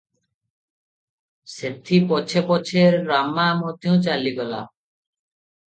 ସେଥି ପଛେ ପଛେ ରାମା ମଧ୍ୟ ଚାଲିଗଲା ।